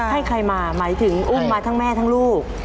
ให้ใครมาหมายถึงอุ้มมาทั้งแม่ทั้งลูก